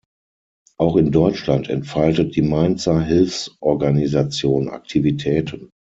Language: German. Auch in Deutschland entfaltet die Mainzer Hilfsorganisation Aktivitäten.